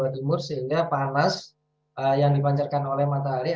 timur sehingga panas yang dipancarkan oleh matahari